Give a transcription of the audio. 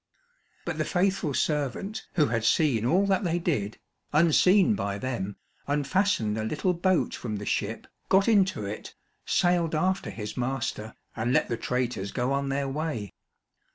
But the faithful servant who had seen all that they did, unseen by them, unfastened a little boat from the ship, got into it, sailed after his master, and let the traitors go on their way.